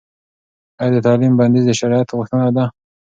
ایا د تعلیم بندیز د شرعیت غوښتنه ده؟